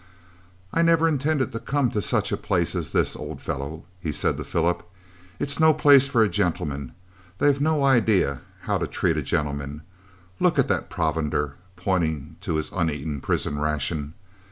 "I never intended to come to such a place as this, old fellow," he said to Philip; "it's no place for a gentleman, they've no idea how to treat a gentleman. Look at that provender," pointing to his uneaten prison ration.